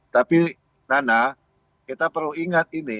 tapi nana kita perlu ingat ini